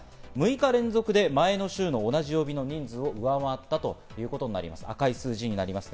６日連続で前の週の同じ曜日の人数を上回ったということになります。